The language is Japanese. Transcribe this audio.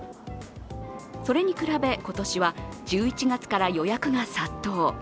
それに比べ、今年は１１月から予約が殺到。